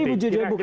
jadi bu jujur bukan